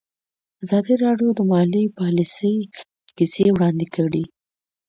ازادي راډیو د مالي پالیسي کیسې وړاندې کړي.